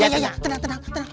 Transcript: ya ya ya tenang tenang